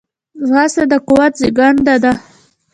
ځغاسته د قوت زیږنده ده